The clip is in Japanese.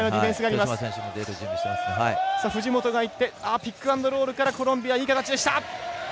ピックアンドロールからコロンビアいい形でした。